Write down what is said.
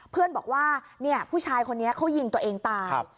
เพื่อนบอกว่าผู้ชายคนนี้เขายิงตัวเองตาย